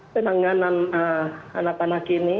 penanganan anak anak ini